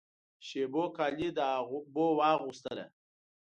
شېبو کالی د اوبو واغوستله